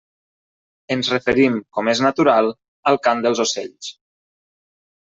Ens referim, com és natural, al cant dels ocells.